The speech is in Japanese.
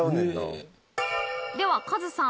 ではカズさん。